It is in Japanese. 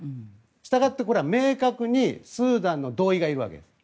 したがってこれは明確にスーダンの同意がいるわけです。